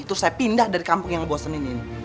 terus saya pindah dari kampung yang bosen ini